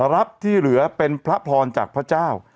รับที่เหลือเป็นพระพรจากพระเจ้า